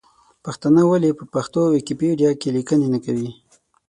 پښتانه ولې په پښتو ویکیپېډیا کې لیکنې نه کوي ؟